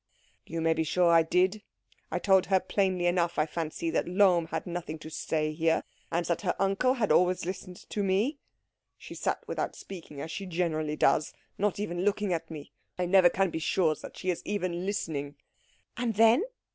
"You may be sure I did. I told her plainly enough, I fancy, that Lohm had nothing to say here, and that her uncle had always listened to me. She sat without speaking, as she generally does, not even looking at me I never can be sure that she is even listening." "And then?"